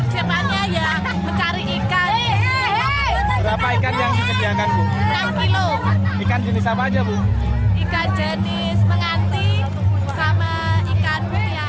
jadi menghenti sama ikan putian